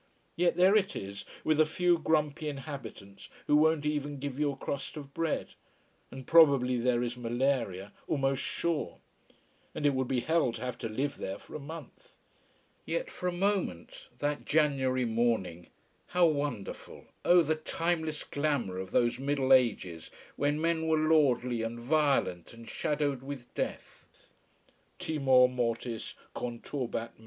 Yet there it is, with a few grumpy inhabitants who won't even give you a crust of bread. And probably there is malaria almost sure. And it would be hell to have to live there for a month. Yet for a moment, that January morning, how wonderful, oh, the timeless glamour of those Middle Ages when men were lordly and violent and shadowed with death. "Timor mortis conturbat me."